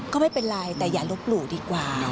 ก็ไม่เป็นไรแต่อย่าลบหลู่ดีกว่า